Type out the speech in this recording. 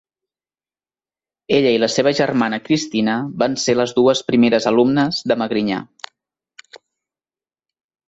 Ella i la seva germana Cristina van ser les dues primeres alumnes de Magrinyà.